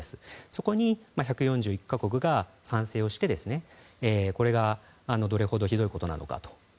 そこに１４１か国が賛成してこれがどれほどひどいことなのかと。